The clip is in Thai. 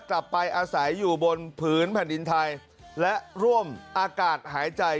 กลับไปอาศัยอยู่บนผืนแผ่นดินไทยและร่วมอากาศหายใจ